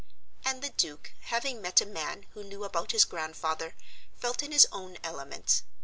And the Duke, having met a man who knew about his grandfather, felt in his own element.